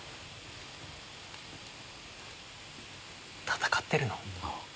戦ってるの？